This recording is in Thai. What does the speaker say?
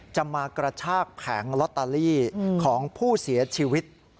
มากระชากแผงลอตเตอรี่ของผู้เสียชีวิต